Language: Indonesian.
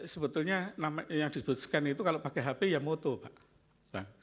sebetulnya yang disebut scan itu kalau pakai hp ya moto pak